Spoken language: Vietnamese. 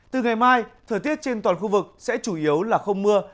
từ ngày mai thời tiết trên toàn khu vực sẽ chủ yếu là không mưa